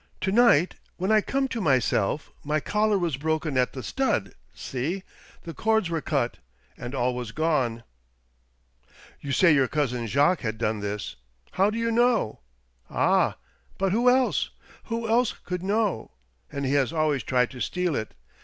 To night, when I come to myself, my collar was broken at the stud — see — the cords were cut — and all was gone !"" You say your cousin Jacques has done this. How do you know ?"" Ah ! But who else ? Who else could know ? And he has always tried to steal it.